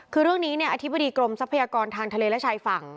คือเรื่องนี้อธิบดีกรมทรัพยากรทางทะเลและชายฝั่ง